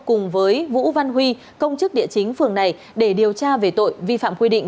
cùng với vũ văn huy công chức địa chính phường này để điều tra về tội vi phạm quy định